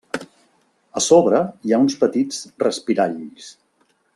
A sobre hi ha uns petits respiralls.